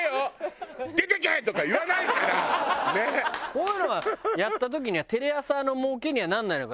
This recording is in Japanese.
こういうのがやった時にはテレ朝の儲けにはならないのか。